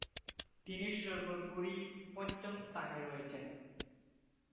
তিনি সর্বোপরি পঞ্চম স্থানে রয়েছেন।